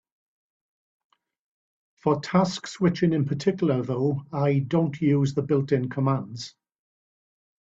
For task switching in particular, though, I don't use the built-in commands.